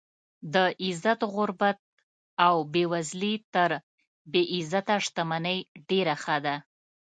د عزت غربت او بې وزلي تر بې عزته شتمنۍ ډېره ښه ده.